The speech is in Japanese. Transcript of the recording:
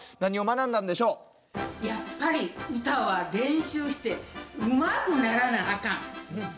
やっぱり歌は練習してうまくならなあかん。